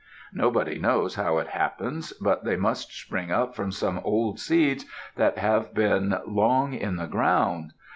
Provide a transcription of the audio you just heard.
Nobody knows how it happens, but they must spring up from some old seeds that have been long in the ground.